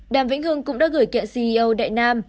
đàm vĩnh hưng cũng đã gửi kiện ceo đại nam